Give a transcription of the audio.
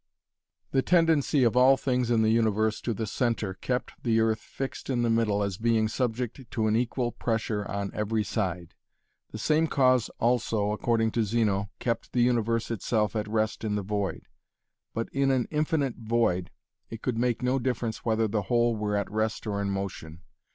The tendency of all things in the universe to the centre kept the earth fixed in the middle as being subject to an equal pressure on every side. The same cause also, according to Zeno, kept the universe itself at rest in the void. But in an infinite void, it could make no difference whether the whole were at rest or in motion.